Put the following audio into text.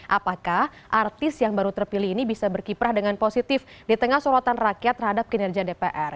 apakah artis yang baru terpilih ini bisa berkiprah dengan positif di tengah sorotan rakyat terhadap kinerja dpr